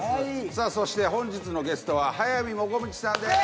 さあそして本日のゲストは速水もこみちさんです。